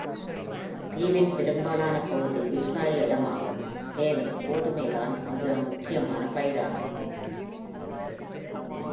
தீவின் பெரும்பாலான பகுதி விவசாய இடமாகும், மேலும் கோதுமைதான் மிக முக்கியமான பயிராகும்.